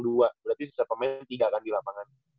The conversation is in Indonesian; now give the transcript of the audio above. berarti sisa pemain tiga kan di lapangan